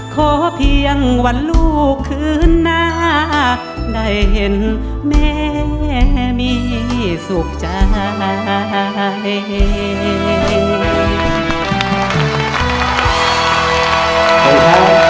ขอเพียงวันลูกคืนหน้าได้เห็นแม่มีสุขใจ